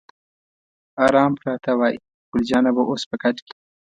آرام پراته وای، ګل جانه به اوس په کټ کې.